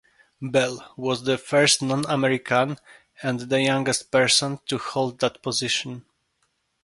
Bell was the first non-American and the youngest person to hold that position.